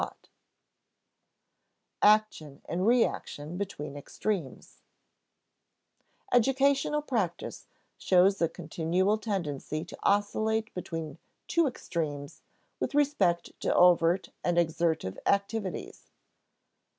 [Sidenote: Action and reaction between extremes] Educational practice shows a continual tendency to oscillate between two extremes with respect to overt and exertive activities.